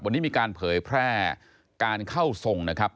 วันนี้มีการเผยแพร่การเข้าทรงนะครับ